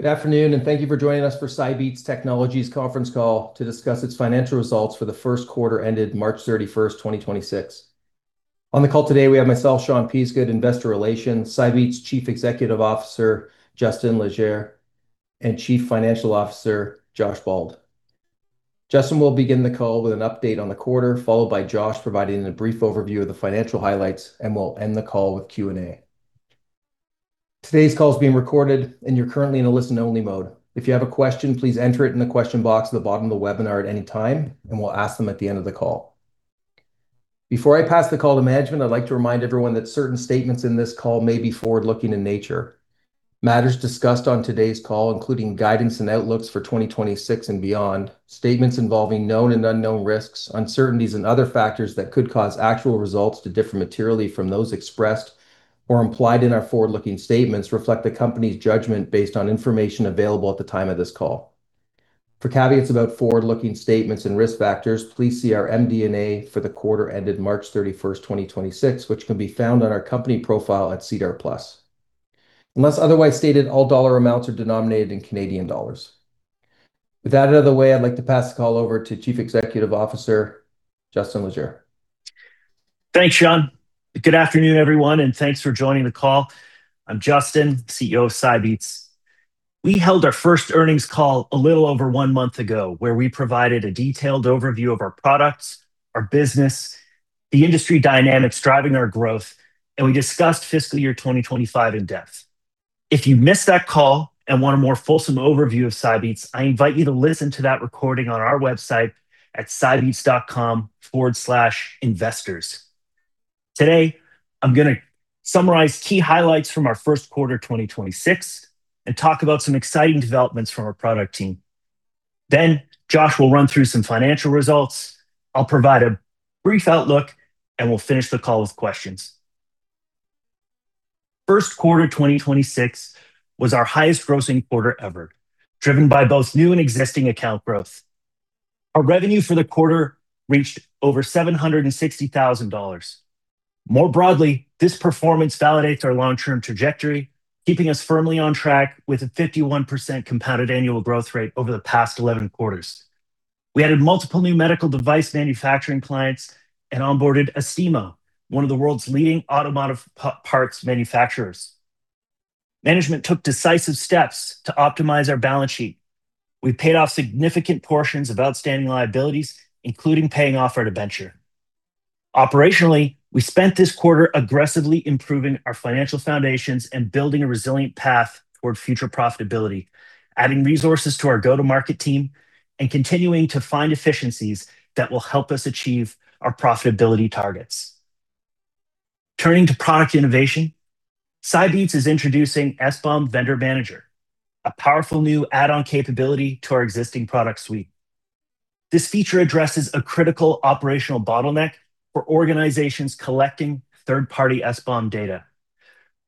Good afternoon, thank you for joining us for Cybeats Technologies conference call to discuss its financial results for the first quarter ended March 31st, 2026. On the call today we have myself, Sean Peasgood, Investor Relations, Cybeats Chief Executive Officer, Justin Leger and Chief Financial Officer, Josh Bald. Justin will begin the call with an update on the quarter, followed by Josh providing a brief overview of the financial highlights. We'll end the call with Q&A. Today's call is being recorded. You're currently in a listen-only mode. If you have a question, please enter it in the question box at the bottom of the webinar at any time. We'll ask them at the end of the call. Before I pass the call to management, I'd like to remind everyone that certain statements in this call may be forward-looking in nature. Matters discussed on today's call, including guidance and outlooks for 2026 and beyond, statements involving known and unknown risks, uncertainties, and other factors that could cause actual results to differ materially from those expressed or implied in our forward-looking statements reflect the company's judgment based on information available at the time of this call. For caveats about forward-looking statements and risk factors, please see our MD&A for the quarter ended March 31st, 2026, which can be found on our company profile at SEDAR+. Unless otherwise stated, all dollar amounts are denominated in Canadian dollars. With that out of the way, I'd like to pass the call over to Chief Executive Officer, Justin Leger. Thanks, Sean. Good afternoon, everyone. Thanks for joining the call. I'm Justin, CEO of Cybeats. We held our first earnings call a little over one month ago, where we provided a detailed overview of our products, our business, the industry dynamics driving our growth, and we discussed fiscal year 2025 in depth. If you missed that call and want a more fulsome overview of Cybeats, I invite you to listen to that recording on our website at cybeats.com/investors. Today, I'm going to summarize key highlights from our first quarter 2026 and talk about some exciting developments from our product team. Josh will run through some financial results. I'll provide a brief outlook. We'll finish the call with questions. First quarter 2026 was our highest grossing quarter ever, driven by both new and existing account growth. Our revenue for the quarter reached over 760,000 dollars. More broadly, this performance validates our long-term trajectory, keeping us firmly on track with a 51% compounded annual growth rate over the past 11 quarters. We added multiple new medical device manufacturing clients and onboarded Aisin, one of the world's leading automotive parts manufacturers. Management took decisive steps to optimize our balance sheet. We paid off significant portions of outstanding liabilities, including paying off our debenture. Operationally, we spent this quarter aggressively improving our financial foundations and building a resilient path toward future profitability, adding resources to our go-to-market team, and continuing to find efficiencies that will help us achieve our profitability targets. Turning to product innovation, Cybeats is introducing SBOM Vendor Manager, a powerful new add-on capability to our existing product suite. This feature addresses a critical operational bottleneck for organizations collecting third-party SBOM data.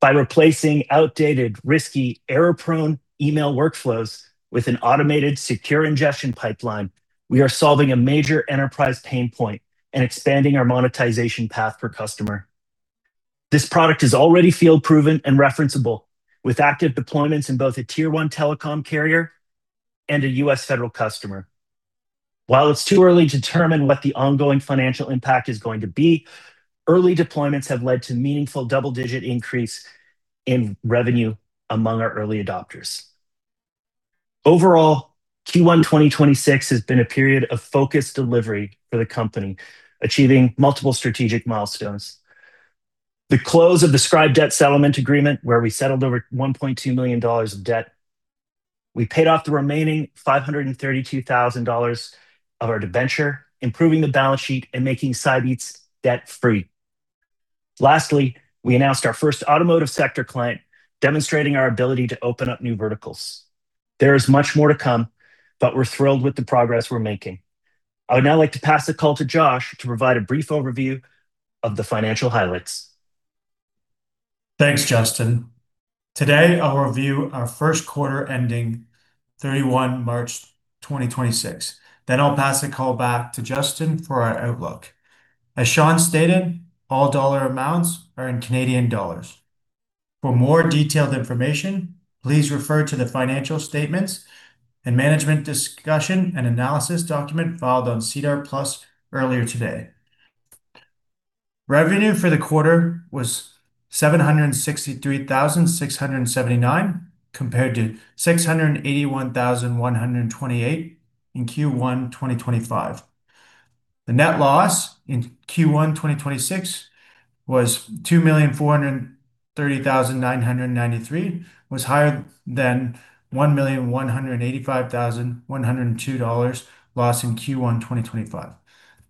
By replacing outdated, risky, error-prone email workflows with an automated secure ingestion pipeline, we are solving a major enterprise pain point and expanding our monetization path per customer. This product is already field proven and referenceable with active deployments in both a Tier 1 telecom carrier and a U.S. federal customer. While it's too early to determine what the ongoing financial impact is going to be, early deployments have led to meaningful double-digit increase in revenue among our early adopters. Overall, Q1 2026 has been a period of focused delivery for the company, achieving multiple strategic milestones. The close of the Scryb debt settlement agreement, where we settled over 1.2 million dollars of debt. We paid off the remaining 532,000 dollars of our debenture, improving the balance sheet and making Cybeats debt-free. Lastly, we announced our first automotive sector client, demonstrating our ability to open up new verticals. There is much more to come, we're thrilled with the progress we're making. I would now like to pass the call to Josh to provide a brief overview of the financial highlights. Thanks, Justin. Today, I'll review our first quarter ending 31 March 2026. I'll pass the call back to Justin for our outlook. As Sean stated, all dollar amounts are in Canadian dollars. For more detailed information, please refer to the financial statements and management discussion and analysis document filed on SEDAR+ earlier today. Revenue for the quarter was 763,679 compared to 681,128 in Q1 2025. The net loss in Q1 2026 was 2,430,993, higher than CAD 1,185,102 loss in Q1 2025.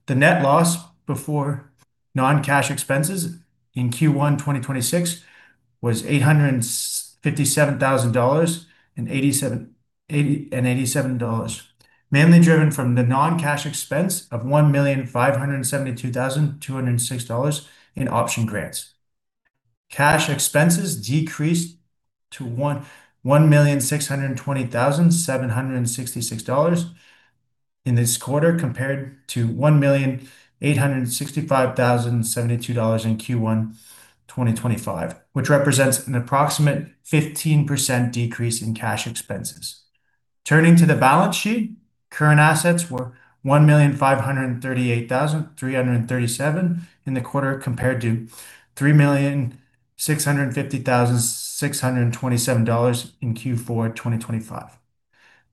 The net loss before non-cash expenses in Q1 2026 was 857,087 dollars, mainly driven from the non-cash expense of 1,572,206 dollars in option grants. Cash expenses decreased to 1,620,766 dollars in this quarter, compared to 1,865,072 dollars in Q1 2025, which represents an approximate 15% decrease in cash expenses. Turning to the balance sheet, current assets were 1,538,337 in the quarter, compared to 3,650,627 dollars in Q4 2025.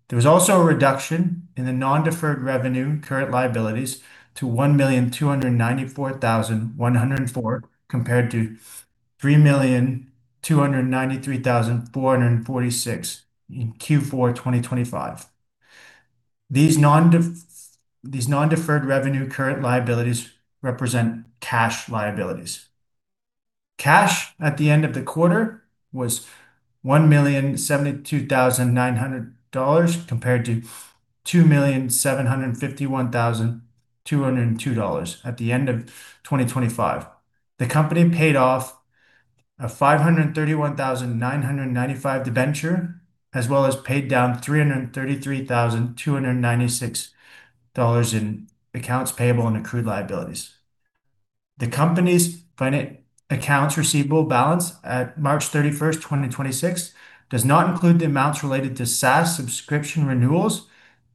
There was also a reduction in the non-deferred revenue current liabilities to 1,294,104, compared to 3,293,446 in Q4 2025. These non-deferred revenue current liabilities represent cash liabilities. Cash at the end of the quarter was 1,072,900 dollars, compared to 2,751,202 dollars at the end of 2025. The company paid off a 531,995 debenture, as well as paid down 333,296 dollars in accounts payable and accrued liabilities. The company's accounts receivable balance at March 31st, 2026 does not include the amounts related to SaaS subscription renewals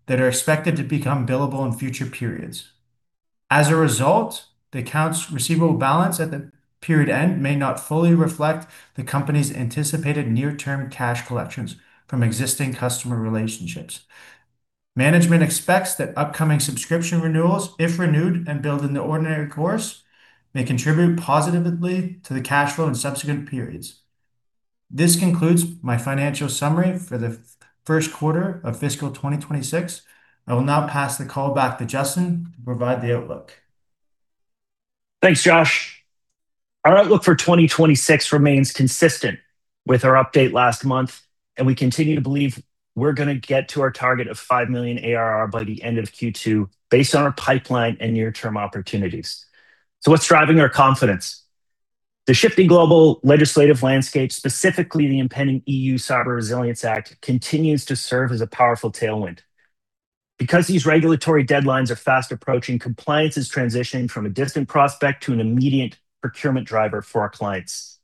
that are expected to become billable in future periods. As a result, the accounts receivable balance at the period end may not fully reflect the company's anticipated near-term cash collections from existing customer relationships. Management expects that upcoming subscription renewals, if renewed and billed in the ordinary course, may contribute positively to the cash flow in subsequent periods. This concludes my financial summary for the first quarter of fiscal 2026. I will now pass the call back to Justin to provide the outlook. Thanks, Josh. Our outlook for 2026 remains consistent with our update last month, and we continue to believe we're going to get to our target of 5 million ARR by the end of Q2 based on our pipeline and near-term opportunities. What's driving our confidence? The shifting global legislative landscape, specifically the impending EU Cyber Resilience Act, continues to serve as a powerful tailwind. These regulatory deadlines are fast approaching, compliance is transitioning from a distant prospect to an immediate procurement driver for our clients.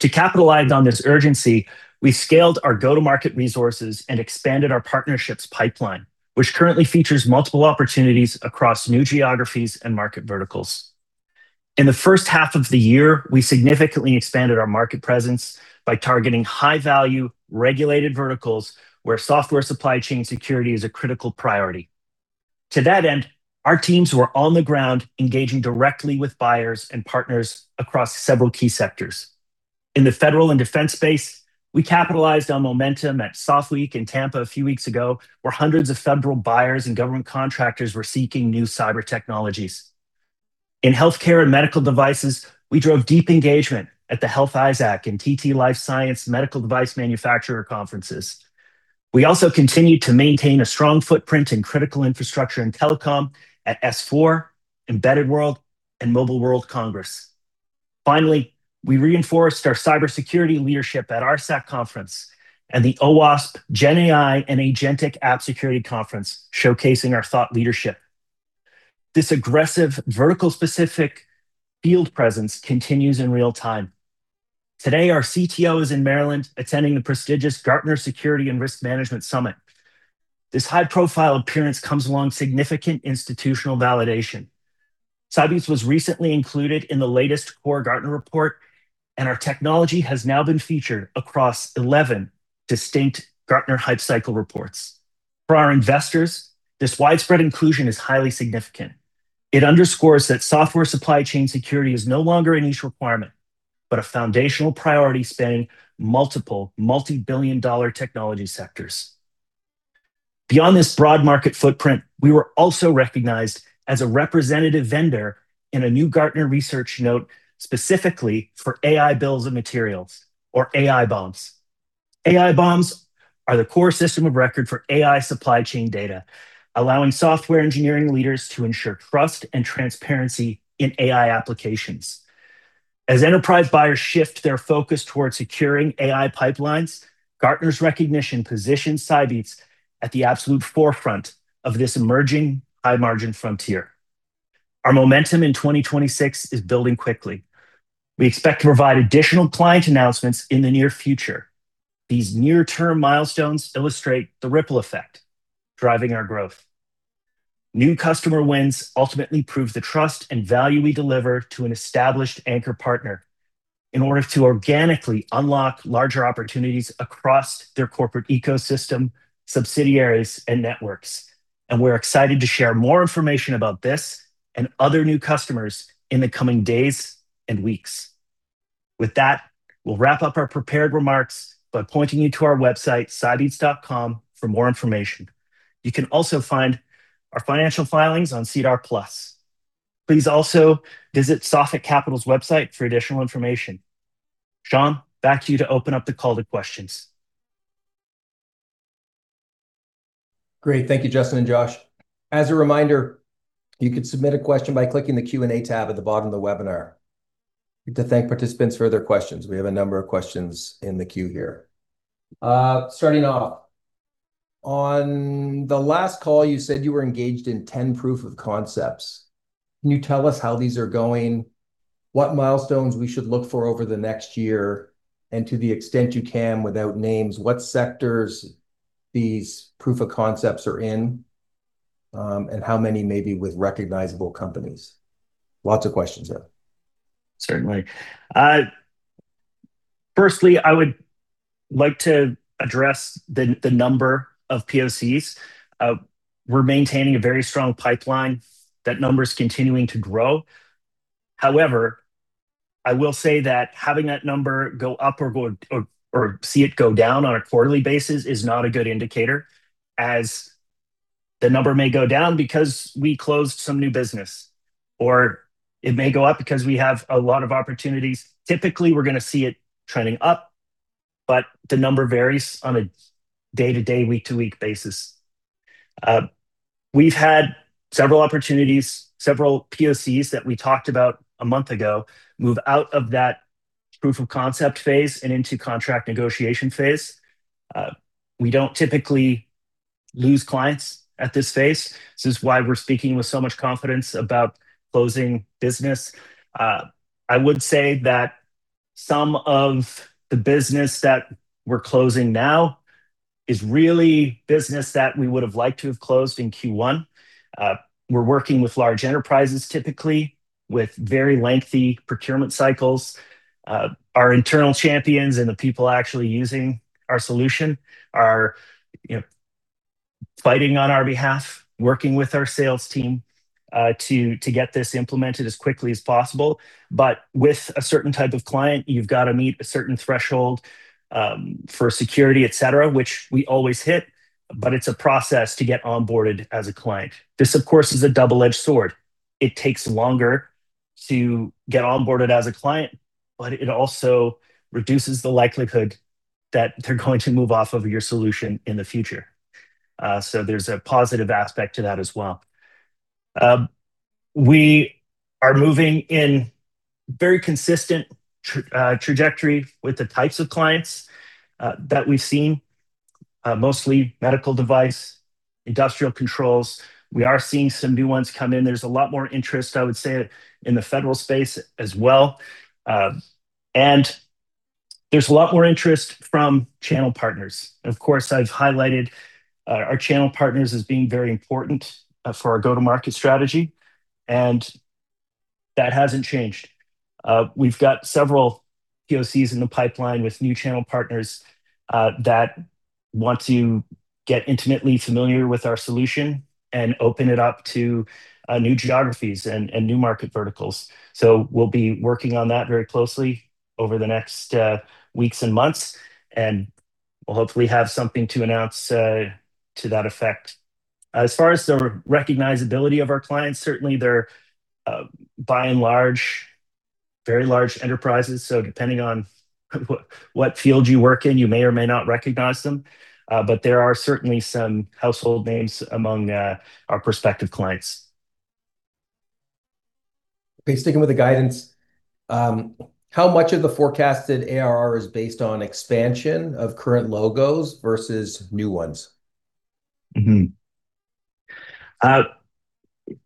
To capitalize on this urgency, we scaled our go-to-market resources and expanded our partnerships pipeline, which currently features multiple opportunities across new geographies and market verticals. In the first half of the year, we significantly expanded our market presence by targeting high-value regulated verticals where software supply chain security is a critical priority. To that end, our teams were on the ground engaging directly with buyers and partners across several key sectors. In the federal and defense space, we capitalized on momentum at SOF Week in Tampa a few weeks ago, where hundreds of federal buyers and government contractors were seeking new cyber technologies. In healthcare and medical devices, we drove deep engagement at the Health-ISAC and TT LifeSciences medical device manufacturer conferences. We also continued to maintain a strong footprint in critical infrastructure and telecom at S4, embedded world, and Mobile World Congress. Finally, we reinforced our cybersecurity leadership at RSAC Conference and the OWASP GenAI and Agentic AI Security Conference, showcasing our thought leadership. This aggressive, vertical-specific field presence continues in real time. Today, our CTO is in Maryland attending the prestigious Gartner Security & Risk Management Summit. This high-profile appearance comes along significant institutional validation. Cybeats was recently included in the latest core Gartner report, and our technology has now been featured across 11 distinct Gartner Hype Cycle reports. For our investors, this widespread inclusion is highly significant. It underscores that software supply chain security is no longer a niche requirement, but a foundational priority spanning multiple multi-billion-dollar technology sectors. Beyond this broad market footprint, we were also recognized as a representative vendor in a new Gartner research note specifically for AI Bills of Materials or AIBOMs. AIBOMs are the core system of record for AI supply chain data, allowing software engineering leaders to ensure trust and transparency in AI applications. As enterprise buyers shift their focus towards securing AI pipelines, Gartner's recognition positions Cybeats at the absolute forefront of this emerging high-margin frontier. Our momentum in 2026 is building quickly. We expect to provide additional client announcements in the near future. These near-term milestones illustrate the ripple effect driving our growth. New customer wins ultimately prove the trust and value we deliver to an established anchor partner in order to organically unlock larger opportunities across their corporate ecosystem, subsidiaries, and networks. We're excited to share more information about this and other new customers in the coming days and weeks. With that, we'll wrap up our prepared remarks by pointing you to our website, cybeats.com, for more information. You can also find our financial filings on SEDAR+. Please also visit Sophic Capital's website for additional information. Sean, back to you to open up the call to questions. Great. Thank you, Justin and Josh. As a reminder, you can submit a question by clicking the Q&A tab at the bottom of the webinar. To thank participants for their questions. We have a number of questions in the queue here. Starting off, on the last call, you said you were engaged in 10 proof of concepts. Can you tell us how these are going, what milestones we should look for over the next year, and to the extent you can without names, what sectors these proof of concepts are in, and how many may be with recognizable companies? Lots of questions there. Certainly. Firstly, I would like to address the number of POCs. We're maintaining a very strong pipeline. That number's continuing to grow. I will say that having that number go up or see it go down on a quarterly basis is not a good indicator, as the number may go down because we closed some new business, or it may go up because we have a lot of opportunities. Typically, we're going to see it trending up, the number varies on a day-to-day, week-to-week basis. We've had several opportunities, several POCs that we talked about a month ago, move out of that proof of concept phase and into contract negotiation phase. We don't typically lose clients at this phase. This is why we're speaking with so much confidence about closing business. I would say that some of the business that we're closing now is really business that we would've liked to have closed in Q1. We're working with large enterprises, typically with very lengthy procurement cycles. Our internal champions and the people actually using our solution are fighting on our behalf, working with our sales team, to get this implemented as quickly as possible. With a certain type of client, you've got to meet a certain threshold, for security, et cetera, which we always hit, but it's a process to get onboarded as a client. This, of course, is a double-edged sword. It takes longer to get onboarded as a client, but it also reduces the likelihood that they're going to move off of your solution in the future. There's a positive aspect to that as well. We are moving in very consistent trajectory with the types of clients that we've seen, mostly medical device, industrial controls. We are seeing some new ones come in. There's a lot more interest, I would say, in the federal space as well. There's a lot more interest from channel partners. Of course, I've highlighted our channel partners as being very important for our go-to-market strategy, and that hasn't changed. We've got several POCs in the pipeline with new channel partners that want to get intimately familiar with our solution and open it up to new geographies and new market verticals. We'll be working on that very closely over the next weeks and months, and we'll hopefully have something to announce to that effect. As far as the recognizability of our clients, certainly they're, by and large, very large enterprises, so depending on what field you work in, you may or may not recognize them. There are certainly some household names among our prospective clients. Okay, sticking with the guidance, how much of the forecasted ARR is based on expansion of current logos versus new ones?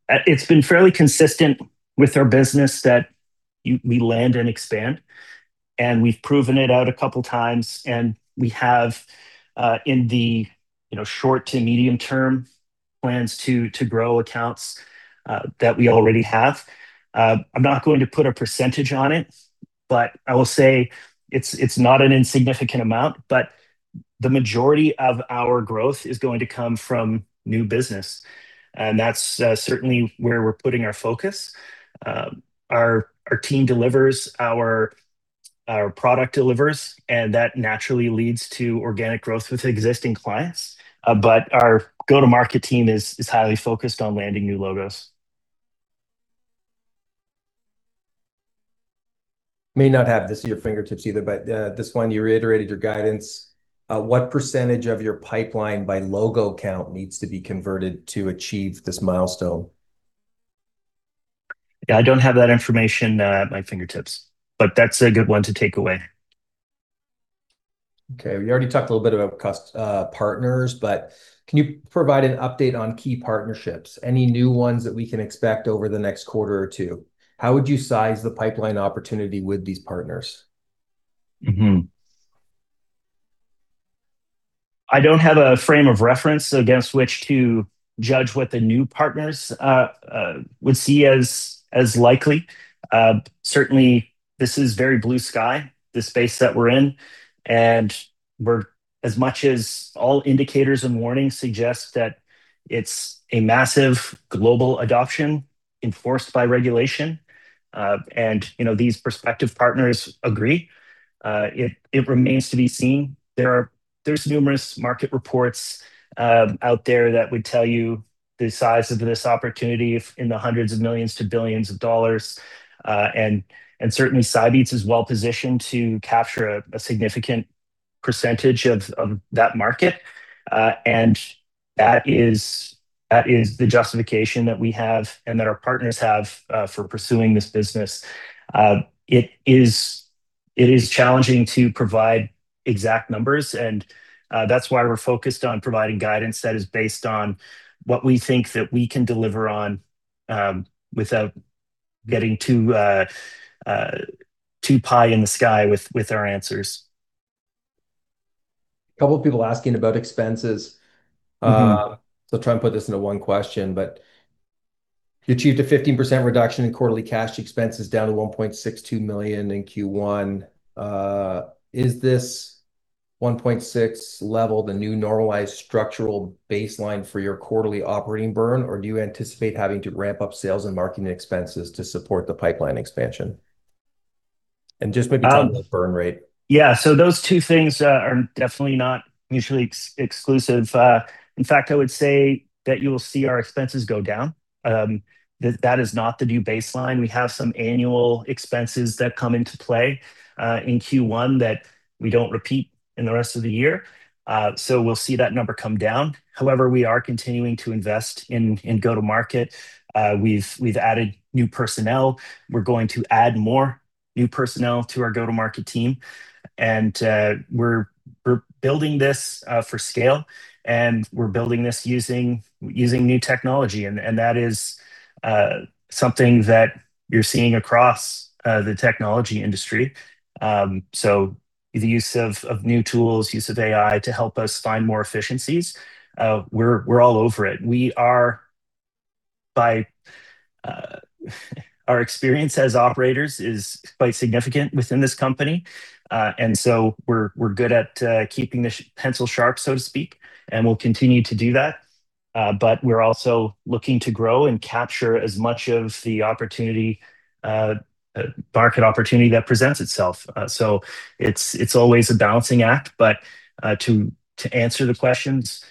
It's been fairly consistent with our business that we land and expand. We've proven it out a couple times. We have, in the short to medium term, plans to grow accounts that we already have. I'm not going to put a percentage on it. I will say it's not an insignificant amount. The majority of our growth is going to come from new business. That's certainly where we're putting our focus. Our team delivers, our product delivers. That naturally leads to organic growth with existing clients. Our go-to-market team is highly focused on landing new logos. May not have this at your fingertips either. This one, you reiterated your guidance. What percentage of your pipeline by logo count needs to be converted to achieve this milestone? Yeah, I don't have that information at my fingertips, but that's a good one to take away. Okay. We already talked a little bit about partners, but can you provide an update on key partnerships, any new ones that we can expect over the next quarter or two? How would you size the pipeline opportunity with these partners? Mm-hmm. I don't have a frame of reference against which to judge what the new partners would see as likely. Certainly, this is very blue sky, the space that we're in, and as much as all indicators and warnings suggest that it's a massive global adoption enforced by regulation, and these prospective partners agree, it remains to be seen. There's numerous market reports out there that would tell you the size of this opportunity in the hundreds of millions to billions of dollars. Certainly Cybeats is well-positioned to capture a significant percentage of that market. That is the justification that we have and that our partners have for pursuing this business. It is challenging to provide exact numbers, and that's why we're focused on providing guidance that is based on what we think that we can deliver on without getting too pie in the sky with our answers. A couple of people asking about expenses. I'll try and put this into one question, but you achieved a 15% reduction in quarterly cash expenses down to 1.62 million in Q1. Is this 1.6 million level the new normalized structural baseline for your quarterly operating burn, or do you anticipate having to ramp up sales and marketing expenses to support the pipeline expansion? Just when you talk about burn rate. Yeah. Those two things are definitely not mutually exclusive. In fact, I would say that you'll see our expenses go down. That is not the new baseline. We have some annual expenses that come into play, in Q1 that we don't repeat in the rest of the year. We'll see that number come down. However, we are continuing to invest in go-to-market. We've added new personnel. We're going to add more new personnel to our go-to-market team. We're building this for scale, and we're building this using new technology, and that is something that you're seeing across the technology industry. The use of new tools, use of AI to help us find more efficiencies, we're all over it. Our experience as operators is quite significant within this company. We're good at keeping the pencil sharp, so to speak. We'll continue to do that. We're also looking to grow and capture as much of the market opportunity that presents itself. It's always a balancing act. To answer the questions,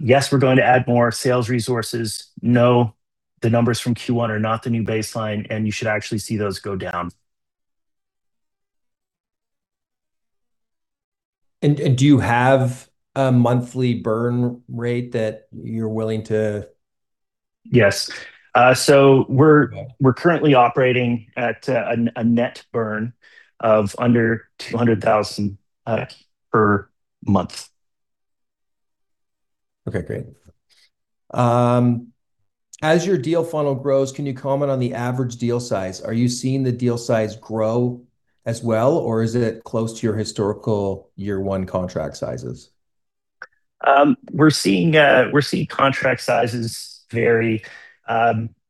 yes, we're going to add more sales resources. No, the numbers from Q1 are not the new baseline, and you should actually see those go down. Do you have a monthly burn rate that you're willing to. Yes. We're currently operating at a net burn of under 200,000 per month. Okay, great. As your deal funnel grows, can you comment on the average deal size? Are you seeing the deal size grow as well, or is it close to your historical year-one contract sizes? We're seeing contract sizes vary.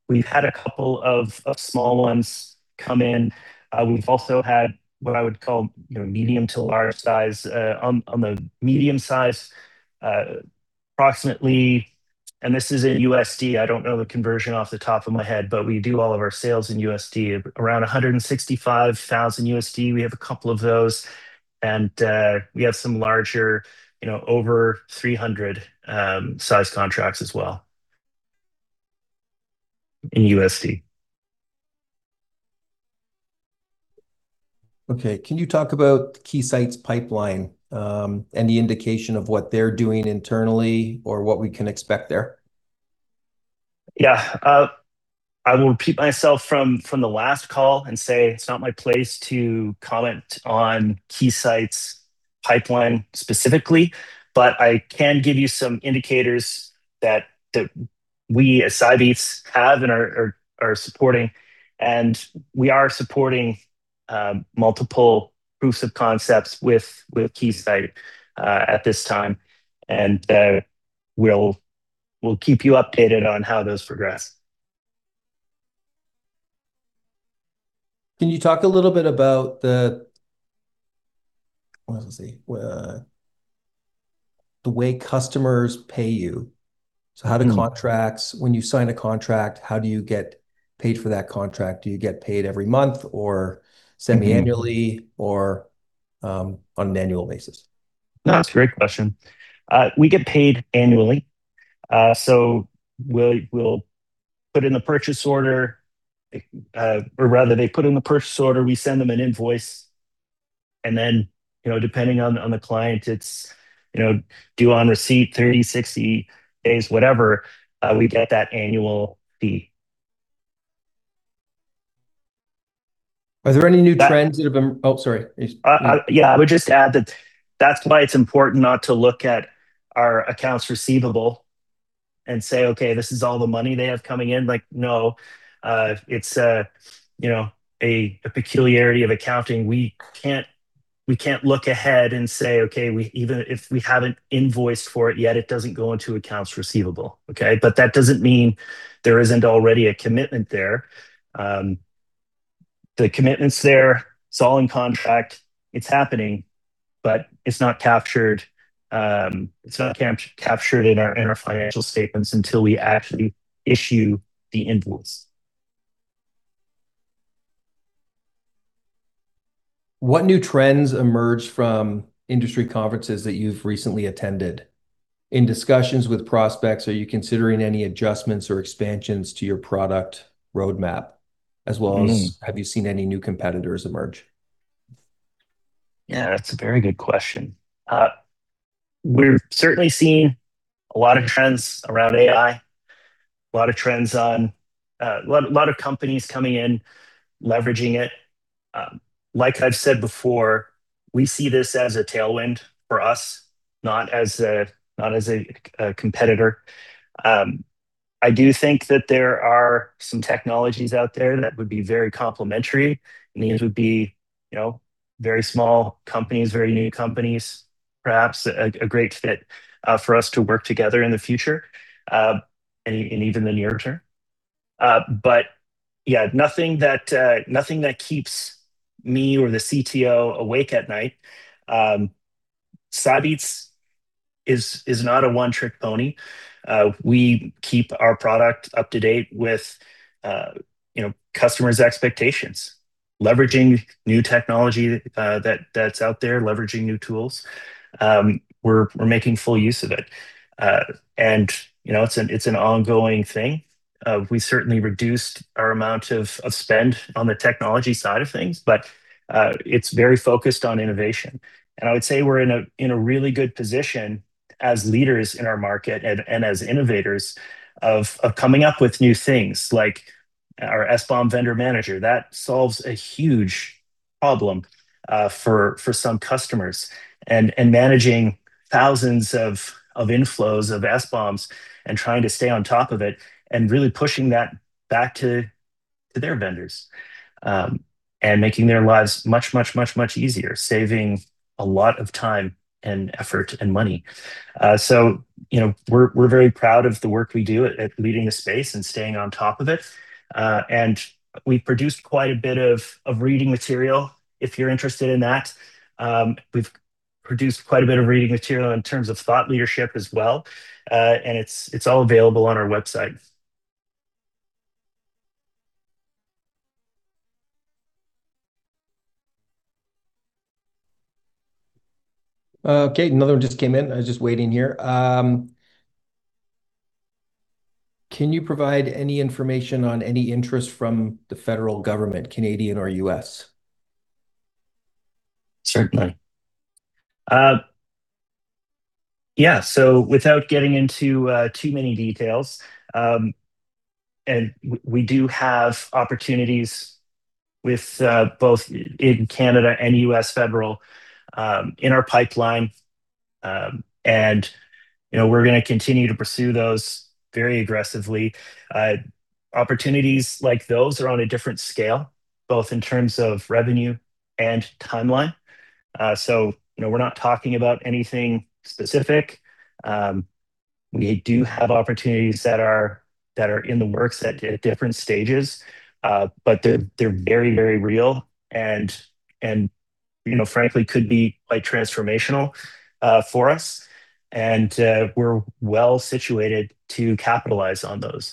We've had a couple of small ones come in. We've also had what I would call medium to large size. On the medium size, approximately, and this is in USD, I don't know the conversion off the top of my head, but we do all of our sales in USD, around $165,000. We have a couple of those. We have some larger over $300,000 size contracts as well. Okay. Can you talk about Keysight's pipeline, and the indication of what they're doing internally or what we can expect there? Yeah. I will repeat myself from the last call and say it's not my place to comment on Keysight's pipeline specifically, but I can give you some indicators that we as Cybeats have and are supporting. We are supporting multiple proofs of concepts with Keysight at this time. We'll keep you updated on how those progress. Can you talk a little bit about the, let me see, the way customers pay you? When you sign a contract, how do you get paid for that contract? Do you get paid every month, or semi-annually or on an annual basis? No, that's a great question. We get paid annually. We'll put in the purchase order, or rather they put in the purchase order, we send them an invoice. Depending on the client, it's due on receipt 30, 60 days, whatever, we get that annual fee. Are there any new trends that have been. Oh, sorry. Yeah. I would just add that that's why it's important not to look at our accounts receivable and say, "Okay, this is all the money they have coming in." No, it's a peculiarity of accounting. We can't look ahead and say, "Okay, even if we haven't invoiced for it yet, it doesn't go into accounts receivable." Okay. That doesn't mean there isn't already a commitment there. The commitment's there, it's all in contract, it's happening, but it's not captured in our financial statements until we actually issue the invoice. What new trends emerge from industry conferences that you've recently attended? In discussions with prospects, are you considering any adjustments or expansions to your product roadmap, as well as have you seen any new competitors emerge? Yeah, that's a very good question. We've certainly seen a lot of trends around AI, a lot of companies coming in, leveraging it. Like I've said before, we see this as a tailwind for us, not as a competitor. I do think that there are some technologies out there that would be very complementary, and these would be very small companies, very new companies, perhaps a great fit for us to work together in the future, and even the near term. Yeah, nothing that keeps me or the CTO awake at night. Cybeats is not a one-trick pony. We keep our product up to date with customers' expectations, leveraging new technology that's out there, leveraging new tools. We're making full use of it. It's an ongoing thing. We certainly reduced our amount of spend on the technology side of things, but it's very focused on innovation. I would say we're in a really good position as leaders in our market and as innovators of coming up with new things, like our SBOM Vendor Manager. That solves a huge problem for some customers, and managing thousands of inflows of SBOMs and trying to stay on top of it and really pushing that back to their vendors, and making their lives much easier, saving a lot of time and effort and money. We're very proud of the work we do at leading the space and staying on top of it. We've produced quite a bit of reading material, if you're interested in that. We've produced quite a bit of reading material in terms of thought leadership as well, and it's all available on our website. Okay. Another one just came in. I was just waiting here. Can you provide any information on any interest from the federal government, Canadian or U.S.? Certainly. Without getting into too many details, we do have opportunities both in Canada and U.S. federal in our pipeline. We're going to continue to pursue those very aggressively. Opportunities like those are on a different scale, both in terms of revenue and timeline. We're not talking about anything specific. We do have opportunities that are in the works at different stages. They're very real and, frankly, could be quite transformational for us. We're well-situated to capitalize on those.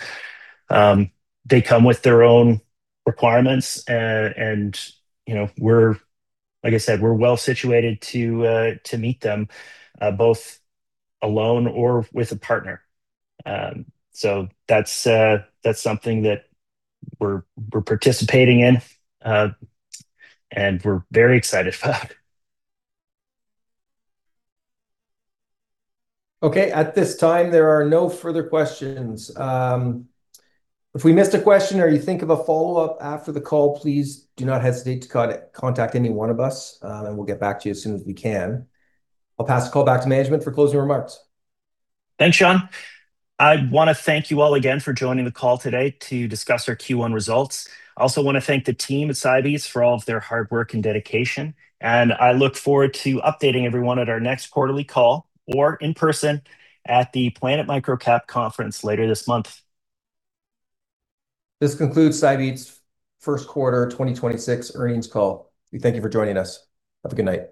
They come with their own requirements, and like I said, we're well-situated to meet them, both alone or with a partner. That's something that we're participating in, and we're very excited about. Okay. At this time, there are no further questions. If we missed a question or you think of a follow-up after the call, please do not hesitate to contact any one of us, and we'll get back to you as soon as we can. I'll pass the call back to management for closing remarks. Thanks, Sean. I want to thank you all again for joining the call today to discuss our Q1 results. I also want to thank the team at Cybeats for all of their hard work and dedication. I look forward to updating everyone at our next quarterly call, or in person at the Planet MicroCap conference later this month. This concludes Cybeats' first quarter 2026 earnings call. We thank you for joining us. Have a good night.